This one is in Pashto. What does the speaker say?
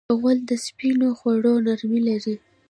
غول د سپینو خوړو نرمي لري.